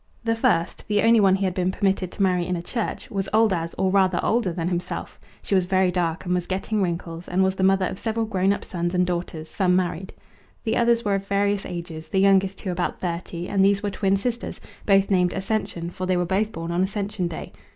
The first, the only one he had been permitted to marry in a church, was old as or rather older than himself; she was very dark and was getting wrinkles, and was the mother of several grown up sons and daughters, some married. The others were of various ages, the youngest two about thirty; and these were twin sisters, both named Ascension, for they were both born on Ascension Day.